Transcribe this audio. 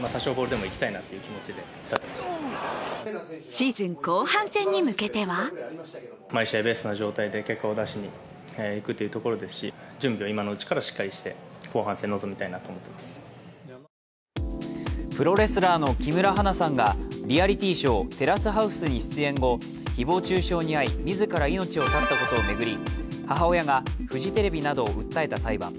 シーズン後半戦に向けてはプロレスラーの木村花さんがリアリティーショー「テラスハウス」に出演後、誹謗中傷に遭い自ら命を絶ったことを巡り、母親がフジテレビなどを訴えた裁判。